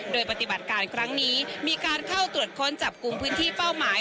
โดยปฏิบัติการครั้งนี้มีการเข้าตรวจค้นจับกลุ่มพื้นที่เป้าหมาย